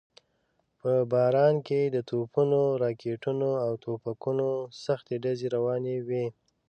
په باران کې د توپونو، راکټونو او ټوپکونو سختې ډزې روانې وې.